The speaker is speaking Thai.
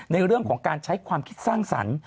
ในเรื่องของการใช้ความคิดสร้างสรรค์